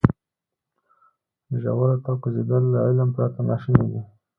ژورو ته کوزېدل له علم پرته ناشونی دی.